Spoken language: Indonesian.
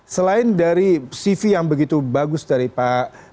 selain dari cv yang begitu bagus dari pak